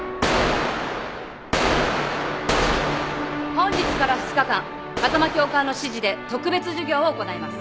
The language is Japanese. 本日から二日間風間教官の指示で特別授業を行います。